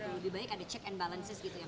lebih baik ada check and balances gitu ya